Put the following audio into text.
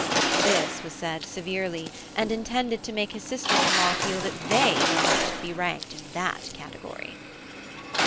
This was said severely, and intended to make his sisters in law feel that they were not to be ranked in that category.